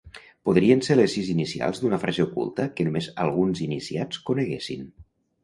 Podrien ser les sis inicials d'una frase oculta que només alguns iniciats coneguessin.